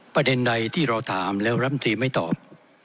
ประเด็นใดที่เราถามแล้วรำตรีไม่ตอบ